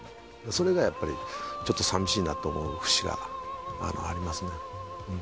それがやっぱりちょっと寂しいなと思う節がありますね。